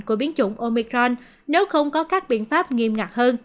của biến chủng omicron nếu không có các biện pháp nghiêm ngặt hơn